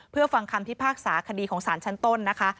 เพื่อฟังคำพิพากษาคดีของสารชั้นต้นนะคะ